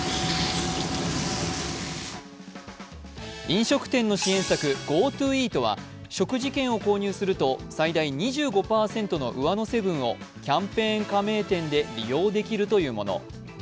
飲食店の支援策、ＧｏＴｏイートは食事券を購入すると最大２５％の上乗せ分をキャンペーン加盟店で利用できるというもの。